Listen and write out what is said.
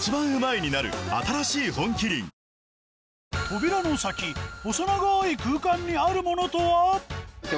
・扉の先細長い空間にあるものとは！？